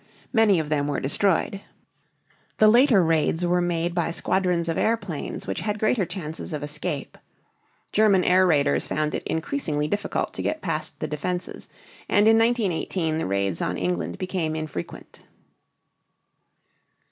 Many of them were destroyed. The later raids were made by squadrons of airplanes which had greater chances of escape. German air raiders found it increasingly difficult to get past the defenses, and in 1918 the raids on England became infrequent.